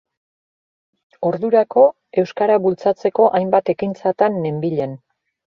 Ordurako euskara bultzatzeko hainbat ekintzatan nenbilen.